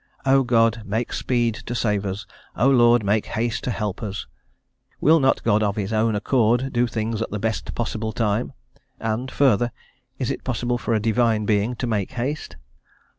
"O God, make speed to save us. O Lord, make haste to help us." Will not God, of his own accord, do things at the best possible time? and further, is it possible for a Divine Being to make haste?